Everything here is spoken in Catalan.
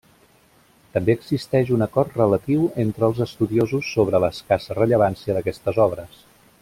També existeix un acord relatiu entre els estudiosos sobre l'escassa rellevància d'aquestes obres.